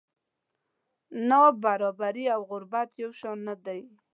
نابرابري او غربت یو شان نه دي.